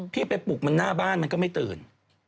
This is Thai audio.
พี่ไปปลุกมันหน้าบ้านมันก็ไม่ตื่น